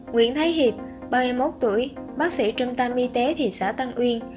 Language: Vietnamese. nguyễn thái hiệp ba mươi một tuổi bác sĩ trung tâm y tế thị xã tân uyên